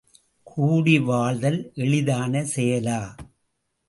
கூடி வாழ்தல் எளிதான செயலா?